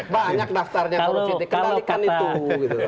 banyak daftarnya korupsi dikendalikan itu